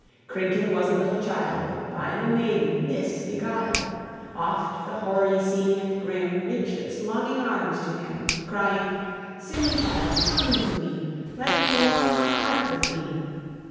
Krinken was a little child, By the maiden Nis beguiled; Oft the hoary sea and grim Reached its longing arms to him, Crying, "Sim child, come to me; Let me warm my heart with thee!"